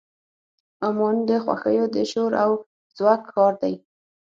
عمان د خوښیو د شور او زوږ ښار دی.